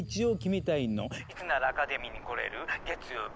いつならアカデミーに来れる？月曜日？